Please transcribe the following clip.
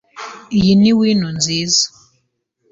Iyi ni wino nziza.